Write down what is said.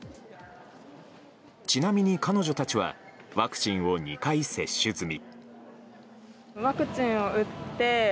ちなみに彼女たちはワクチンを２回接種済み。